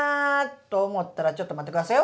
思ったらちょっと待ってくださいよ